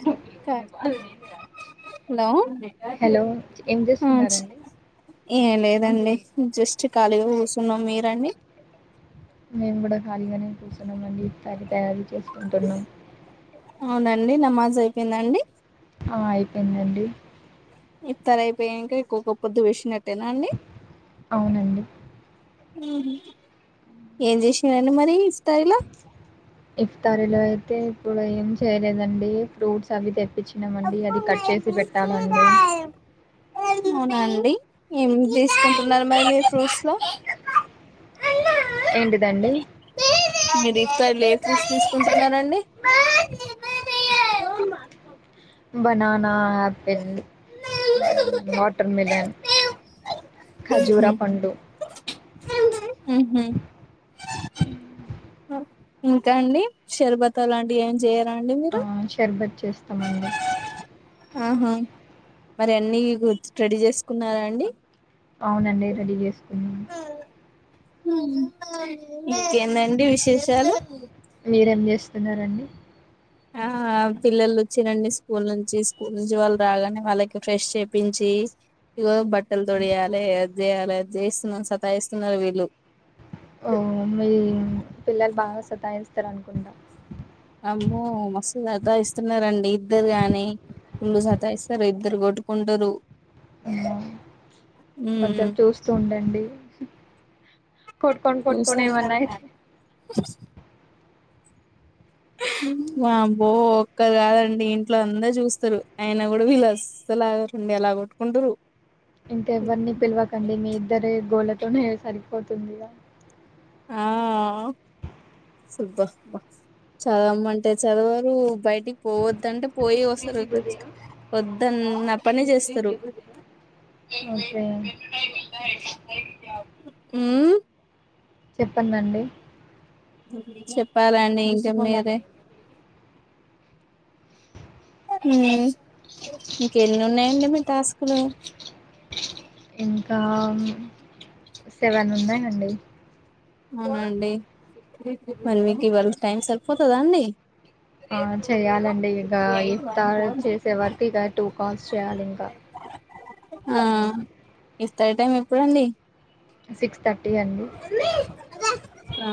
కుక్క hello hello ఏం చేస్తున్నారండి ఏం లేదండి జస్ట్ ఖాళీగా కూసున్నాం మీరండి మేము కూడా ఖాళీగానే కూసున్నాం అండి ఇఫ్తారి తయారు చేసుకుంటున్నాం అవునాండి నమాజ్ అయిపోయిందాండి ఆ అయిపోయిందండి ఇఫ్తార్ అయిపోయినంక నే ఒక్కపొద్దు విడ్చినట్టేనాండి అవునండి ఏం జేష్నారండి మరి ఇఫ్తారి లో ఇఫ్తారి లో అయితే ఇప్పుడు ఏం చేయలేదండి ఫ్రూట్స్ అవి తెప్పించ్ న్నామండి అది కట్ చేసి పెట్టాలండి అవునాండి ఏం జేస్కుంటున్నారు మరి మీరు ఫ్రూట్స్ లో ఏంటిదండి మీరు ఇఫ్తర్లో ఏ ఫ్రూట్స్ తీస్కుంటున్నారండి బనానా ఆపిల్ వాటర్ మిలన్ ఉహు ఖజూరా పండు ఉహు ఇంకాండి షర్బత లాంటివి ఏం చెయరాండి మీరు ఆ షర్బత్ చేస్తామండి ఆహా మరి అన్ని గుడ్స్ రెడీ చేసుకున్నారాండి అవునండి రెడీ చేసుకు ఇంకేందండి విశేషాలు మీరేం జేస్తున్నారండి ఆ పిల్లలు వచ్చిరండి స్కూల్ నుంచి స్కూల్ నుంచి వాళ్ళు రాగానే వాళ్ళకి ఫ్రెష్ చేపించి ఇగో బట్టలు తొడియాలె అది చేయాలె అద్ జేస్తున్నా సతాయిస్తున్నారు వీళ్ళు ఓ పిల్లలు బాగా సతాయింస్తరు అనుకుంటా అమ్మో మస్తు స సతాయిస్తున్నారండి ఇద్దరు గాని ఫుల్లు సతాయిస్తారు ఇద్దరు కొట్టుకుంటురు కొంచం చూస్తూ ఉండండి కొట్కోన్ చూస్తా కొట్కోనేమన్నాయితే వామ్మో ఒక్కరు కాదండి ఇంట్లో అందరు చూస్తరు అయన కూడా వీళ్ళుస్సలాగరు ండి ఎలా కోట్కుంటురు ఇంకా ఎవర్ని పిలవకండి మీ ఇద్దరె గోళ్ళతోనే సరిపోతుందిగా ఆ సుద్దాం మా చదవమంటే చదవరు బయటికి పోవద్దంటే పోయి వస్తరు వద్ద న్న పనే చేస్తరు ఓకే ఉమ్ చెప్పండండీ చెప్పాలండి ఇంకమీరే ఉమ్ ఇంకెనున్నాయండి మీ టాస్కులు ఇంకా సెవెన్ ఉన్నాయండి అవునండి మరి మీకు ఇవాళ టైం సరిపోతదా అండి ఆ చేయ్యాలండి గా [unintelligible] చేసే వరకు ఇగ టూ కాల్స్ చేయాలి ఇంకా ఆ ఇస్తారు టైం ఎప్పుడండి సిక్స్ థర్టీ అండి ఆ